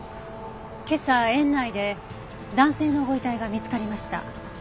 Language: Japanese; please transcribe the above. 今朝園内で男性のご遺体が見つかりました。